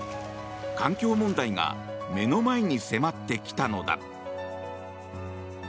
環境問題が目の前に迫ってきたのだ。